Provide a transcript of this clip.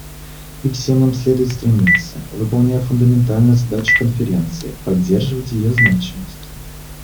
И всем нам следует стремиться, выполняя фундаментальную задачу Конференции, поддерживать ее значимость.